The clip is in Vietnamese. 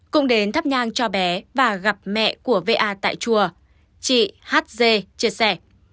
cũng đến thắp nhang cho bé và gặp mẹ của va tại chùa chị hát dê chia sẻ